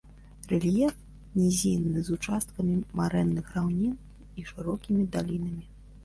Рэльеф нізінны з участкамі марэнных раўнін і шырокімі далінамі.